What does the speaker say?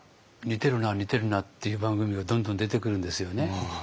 似てるな似てるなっていう番組がどんどん出てくるんですよね。